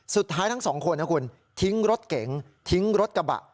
สุดท้ายทั้ง๒คนนะคุณทิ้งรถเก่งทิ้งรถกระบะ